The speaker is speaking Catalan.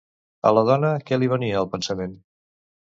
A la dona, què li venia al pensament?